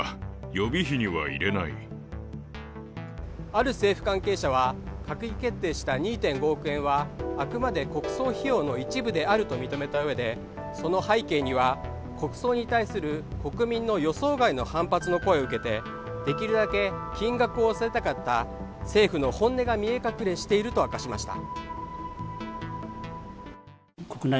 ある政府関係者は、閣議決定した２．５億円はあくまで国葬費用の一部であると認めたうえで、その背景には国葬に対する国民の予想外の反発の声を受けてできるだけ金額を抑えたかった政府の本音が見え隠れしていると明かしました。